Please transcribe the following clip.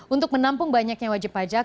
untuk menampung banyaknya wajib pajak